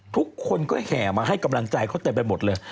ทุกคนก็แห่มาให้กำลังใจเขาเต็มไปหมดเลย